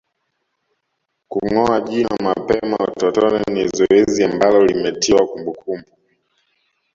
Kungoa jino mapema utotoni ni zoezi ambalo limetiwa kumbukumbu